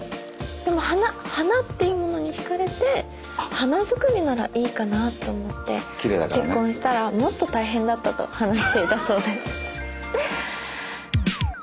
でも花っていうものにひかれて花作りならいいかなと思って結婚したらもっと大変だったと話していたそうです。